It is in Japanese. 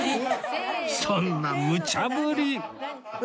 そんなむちゃぶり！